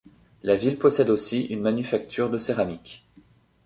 La ville possède aussi une manufacture de céramique.